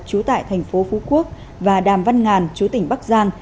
trú tại tp phú quốc và đàm văn ngàn trú tỉnh bắc giang